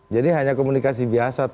jadi hanya komunikasi biasa